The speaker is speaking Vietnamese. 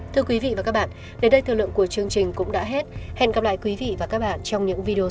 thưa quý vị và các bạn đến đây thời lượng của chương trình cũng đã hết hẹn gặp lại quý vị và các bạn trong những video